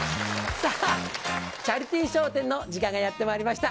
さあ、チャリティー笑点の時間がやってまいりました。